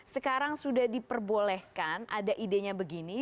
sekarang sudah diperbolehkan ada idenya begini